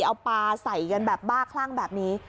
เอาปลาใส่กันแบบบ้าคลั่งแบบนี้